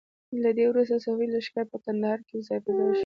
له دې وروسته صفوي لښکر په کندهار کې ځای په ځای شو.